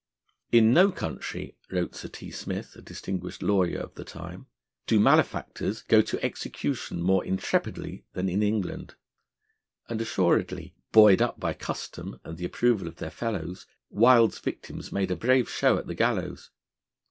'In no country,' wrote Sir T. Smith, a distinguished lawyer of the time, 'do malefactors go to execution more intrepidly than in England'; and assuredly, buoyed up by custom and the approval of their fellows, Wild's victims made a brave show at the gallows.